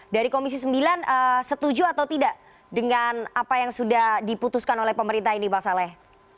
dari komisi sembilan setuju atau tidak dengan apa yang sudah diputuskan oleh pemerintah ini bang saleh